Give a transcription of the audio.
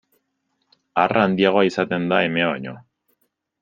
Arra handiagoa izaten da emea baino.